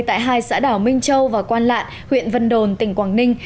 tại hai xã đảo minh châu và quan lạn huyện vân đồn tỉnh quảng ninh